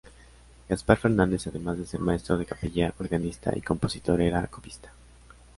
Gaspar Fernández, además de ser maestro de capilla, organista y compositor, era copista.